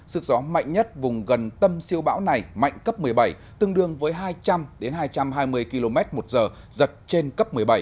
sức gió mạnh nhất vùng gần tâm siêu bão này mạnh cấp một mươi bảy tương đương với hai trăm linh hai trăm hai mươi km một giờ giật trên cấp một mươi bảy